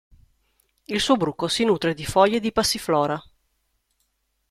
Il suo bruco si nutre di foglie di passiflora.